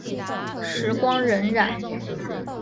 时光荏苒。